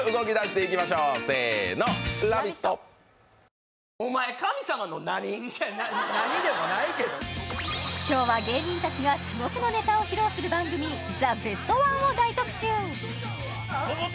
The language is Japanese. いや何でもないけど今日は芸人達が至極のネタを披露する番組「ザ・ベストワン」を大特集